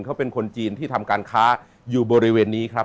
เขาเป็นคนจีนที่ทำการค้าอยู่บริเวณนี้ครับ